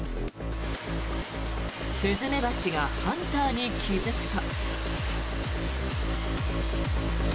スズメバチがハンターに気付くと。